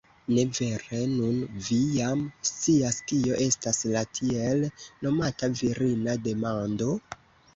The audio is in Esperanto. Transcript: Ne vere, nun vi jam scias, kio estas la tiel nomata virina demando?